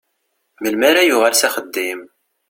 Melmi ara yuɣal s axeddim?